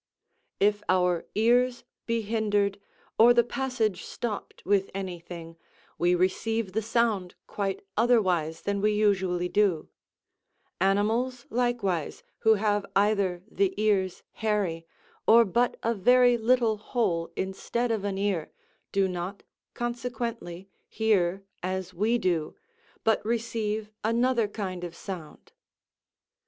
If our ears be hindered, or the passage stopped with any thing, we receive the sound quite otherwise than we usually do; animals, likewise, who have either the ears hairy, or but a very little hole instead of an ear, do not, consequently, hear as we do, but receive another kind of sound.